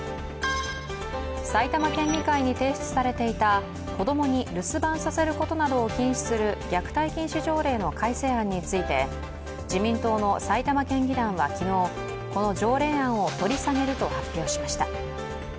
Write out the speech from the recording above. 埼玉県議会に提出されていた、子供に留守番させることなどを禁止する虐待禁止条例の改正案について自民党の埼玉県議団は昨日、この条例案を取り下げると発表しました。